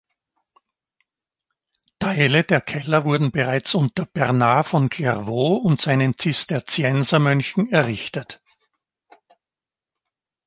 Teile der Keller wurden bereits unter Bernhard von Clairvaux und seinen Zisterziensermönchen errichtet.